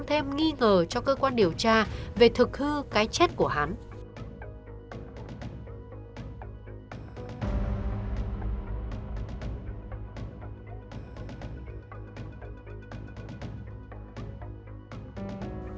thêm nghi ngờ cho cơ quan điều tra về thực hư cái chết của hắn ừ ừ ừ ừ ừ ừ ừ ừ ừ ừ ừ ừ